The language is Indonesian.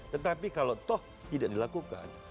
tetapi kalau toh tidak dilakukan